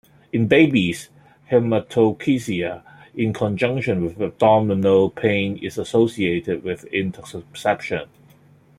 In babies, haematochezia in conjunction with abdominal pain is associated with intussusception.